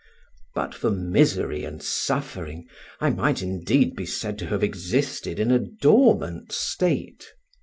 But for misery and suffering, I might indeed be said to have existed in a dormant state.